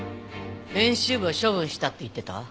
編集部は処分したって言ってたわ。